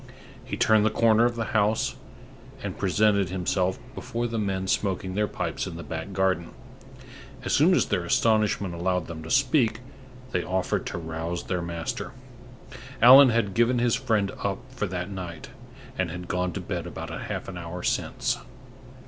He turned the corner of the house, and presented himself before the men smoking their pipes in the back garden. As soon as their astonishment allowed them to speak, they offered to rouse their master. Allan had given his friend up for that night, and had gone to bed about half an hour since.